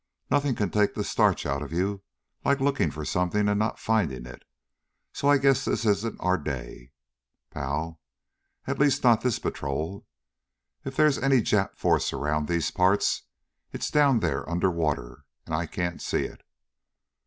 Nothing can take the starch out of you like looking for something, and not finding it. So I guess this isn't our day, pal. At least not this patrol. If there's any Jap force around these parts, it's down there under water, and I can't see it."